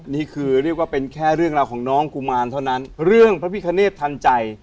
นี่คือเรียกว่าเป็นแค่เรื่องราวของน้องกุมารเท่านั้นเรื่องพระพิคเนธทันใจ